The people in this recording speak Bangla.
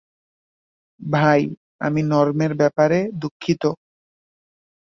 ভাই, আমি নর্মের ব্যাপারে দুঃখিত!